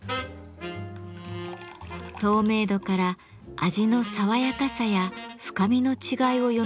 透明度から味の爽やかさや深みの違いを読み取るのだとか。